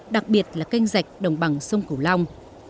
đặc biệt là canh rạch đồng bằng sông cửu long